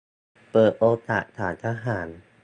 - เปิดโอกาสศาลทหาร